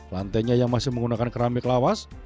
lantainya yang masih menggunakan keramik lawas